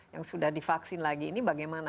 yang sudah divaksin lagi ini bagaimana